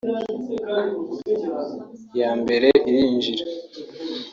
” Iya mbere irinjira